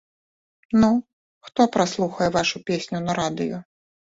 Ну, хто праслухае вашу песню на радыё?